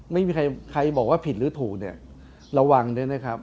ไม่มีใครใครบอกว่าผิดหรือถูกเนี่ยระวังด้วยนะครับ